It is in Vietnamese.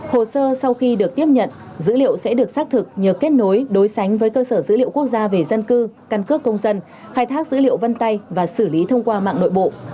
hồ sơ sau khi được tiếp nhận dữ liệu sẽ được xác thực nhờ kết nối đối sánh với cơ sở dữ liệu quốc gia về dân cư căn cước công dân khai thác dữ liệu vân tay và xử lý thông qua mạng nội bộ